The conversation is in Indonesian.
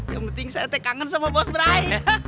yang penting saya teh kangen sama bos brai